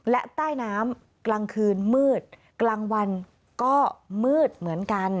และใต้น้ำกลางคืนมืดกลางวันก็มืดเหมือนกัน